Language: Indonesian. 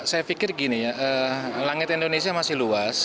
saya pikir gini ya langit indonesia masih luas